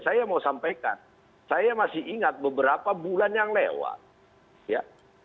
saya mau sampaikan saya masih ingat beberapa bulan yang lewat ya